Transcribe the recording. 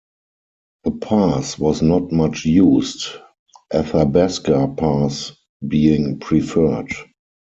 The pass was not much used, Athabasca Pass being preferred.